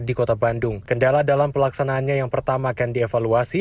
di kota bandung kendala dalam pelaksanaannya yang pertama akan dievaluasi